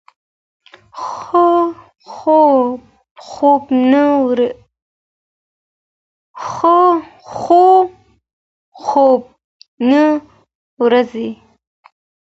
خو خوب نه ورځي.